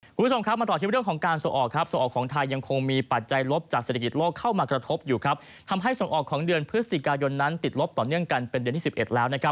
คุณผู้ชมครับมาต่อที่เรื่องของการส่งออกครับส่งออกของไทยยังคงมีปัจจัยลบจากเศรษฐกิจโลกเข้ามากระทบอยู่ครับทำให้ส่งออกของเดือนพฤศจิกายนนั้นติดลบต่อเนื่องกันเป็นเดือนที่๑๑แล้วนะครับ